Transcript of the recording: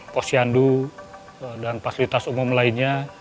posyandu dan fasilitas umum lainnya